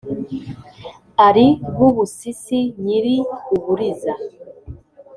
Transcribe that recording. Ari Rwubusisi nyiri Ubuliza,